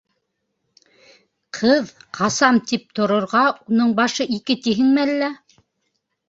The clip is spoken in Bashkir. — Ҡыҙ, ҡасам, тип торорға, уның башы ике тиһеңме әллә?